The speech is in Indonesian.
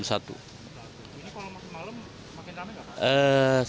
ini kalau malam semakin rame nggak